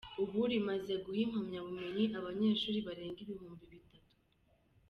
Ubu rimaze guha impamyabumenyi abanyeshuri barenga ibihumbi bitatu.